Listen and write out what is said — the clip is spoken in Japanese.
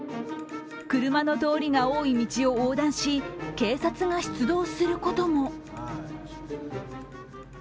車の通りが多い道を横断し警察が出動することも。